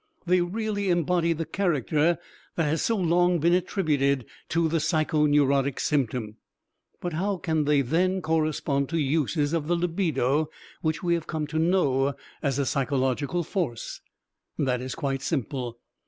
They really embody the character that has so long been attributed to the psychoneurotic symptom. But how can they then correspond to uses of the libido, which we have come to know as a psychological force? That is quite simple.